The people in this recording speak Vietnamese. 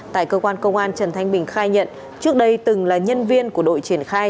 tại cơ quan công an trần thanh bình khai nhận trước đây từng là nhân viên của đội triển khai